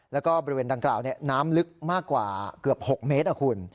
แล้วก็บริเวณดังกล่าวน้ำลึกมากกว่าเกือบ๖เมตรนะคุณ